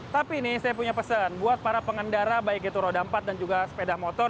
tapi ini saya punya pesan buat para pengendara baik itu roda empat dan juga sepeda motor